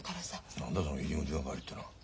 何だその入り口係ってのは。